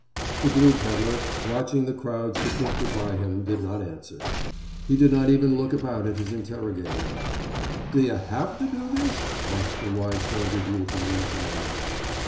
The glue peddler, watching the crowds that drifted by him, did not answer. He did not even look about at his interrogator. "D' yuh have to do this?" asked the wide shouldered youth in uniform.